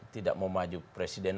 tidak mau maju presiden